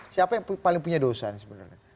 siapa yang paling punya dosa sebenarnya